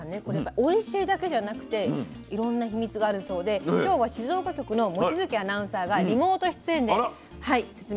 これやっぱおいしいだけじゃなくていろんな秘密があるそうで今日は静岡局の望月アナウンサーがリモート出演で説明してくれます。